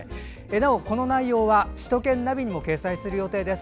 なお、この内容は首都圏ナビにも掲載する予定です。